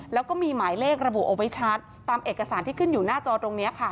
แล้วก็มีหมายเลขระบุเอาไว้ชัดตามเอกสารที่ขึ้นอยู่หน้าจอตรงนี้ค่ะ